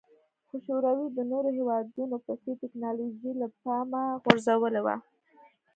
خو شوروي د نورو هېوادونو په څېر ټکنالوژي له پامه غورځولې وه